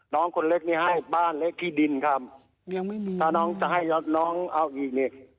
น้องคนเล็กนี่ให้บ้านเล็กที่ดินครับยังไม่มีถ้าน้องจะให้ยอดน้องเอาอีกเนี่ย